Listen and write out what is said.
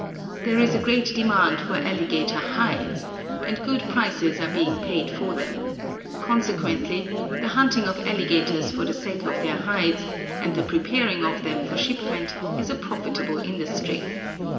There is a great demand for alligator hides, and good prices are being paid for them. Consequently the hunting of alligators for the sake of their hides, and the preparing of them for shipment is a profitable industry.